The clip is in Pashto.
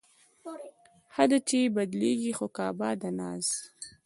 ښه ده، چې بدلېږي خو کعبه د ناز